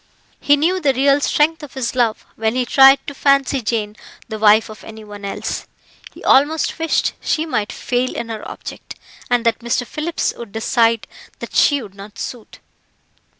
He knew the real strength of his love, when he tried to fancy Jane the wife of any one else. He almost wished she might fail in her object, and that Mr. Phillips would decide that she would not suit.